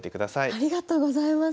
ありがとうございます。